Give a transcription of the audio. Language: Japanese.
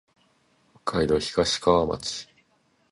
北海道東川町